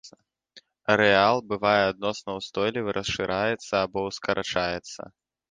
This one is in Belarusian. Арэал бывае адносна ўстойлівы, расшыраецца або скарачаецца.